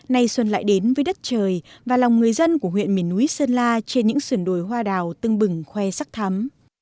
nay xuân lại đến với đất trời và lòng người dân của huyện miền núi sơn la trên những sườn đồi hoa đào tưng bừng khoe sắc thắm